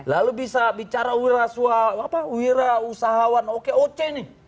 lalu bisa bicara wira usahawan oke oke nih